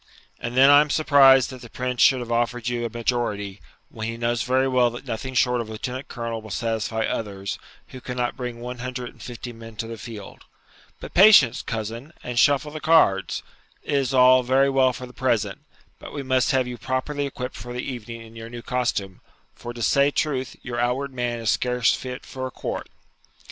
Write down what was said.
And then I am surprised that the Prince should have offered you a majority, when he knows very well that nothing short of lieutenant colonel will satisfy others, who cannot bring one hundred and fifty men to the field. "But patience, cousin, and shuffle the cards!" It is all very well for the present, and we must have you properly equipped for the evening in your new costume; for, to say truth, your outward man is scarce fit for a court.'